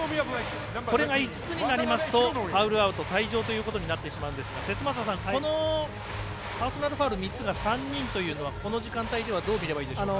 これが５つになりますとファウルアウト退場ということになってしまいますがこのパーソナルファウル３人というのはこの時間帯ではどう見ればいいでしょうか？